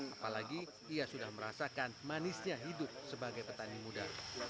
apalagi ia sudah merasakan manisnya hidup sebagai petani muda